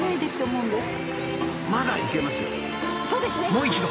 もう一度！